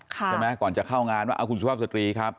ใช่ไหมก่อนจะเข้างานว่าเอาคุณสุภาพสตรีครับ